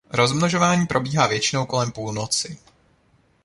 Rozmnožování probíhá většinou kolem půlnoci.